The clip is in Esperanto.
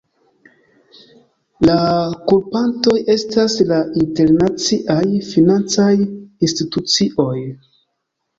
La kulpantoj estas la internaciaj financaj institucioj.